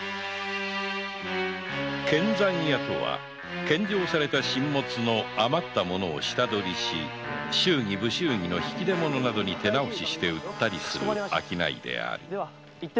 献残屋とは献上された進物の余った物を下取りし祝儀・不祝儀の引き出物に手直しして売ったりする商いである